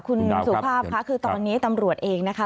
คุณสุภาพค่ะคือตอนนี้ตำรวจเองนะคะ